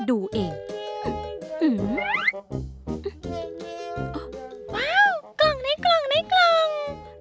ว้าวกล่องในกล่องในกล่อง